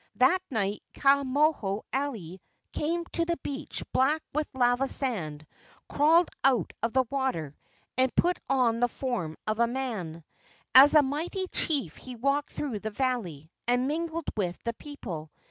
That night Ka moho alii came to the beach black with lava sand, crawled out of the water, and put on the form of a man. As a mighty chief he walked through the valley and mingled with the people.